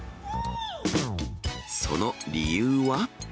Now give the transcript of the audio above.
その理由は。